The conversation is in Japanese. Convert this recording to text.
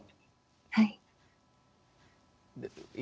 はい。